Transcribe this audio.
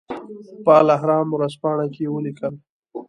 په الاهرام ورځپاڼه کې ولیکل.